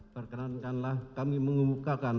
perkenankanlah kami mengumumkakan